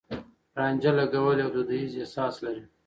رانجه لګول يو دوديز احساس لري.